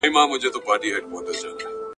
تاسي باید د خپلو حقوقو دفاع وکړئ.